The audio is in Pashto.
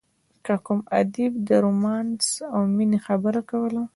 که کوم ادیب د رومانس او مینې خبره کوله.